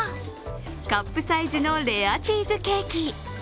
カップサイズのレアチーズケーキ。